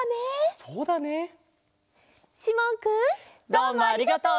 どうもありがとう。